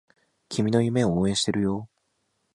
君の夢を応援しているよ